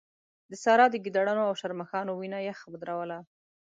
د سارا د ګيدړانو او شرموښانو وينه يخ ودروله.